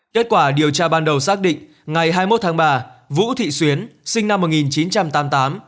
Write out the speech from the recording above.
kết quả điều tra ban đầu xác định ngày hai mươi một tháng ba vũ thị xuyến sinh năm một nghìn chín trăm tám mươi tám